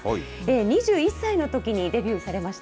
２１歳のときにデビューされました。